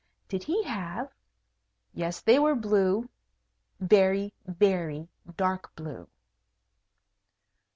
Did he have yes, they were blue. Very, very dark blue.